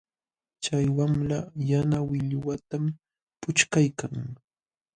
Chay wamla yana millwatam puchkaykan.